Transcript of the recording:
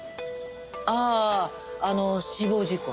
あぁあの死亡事故。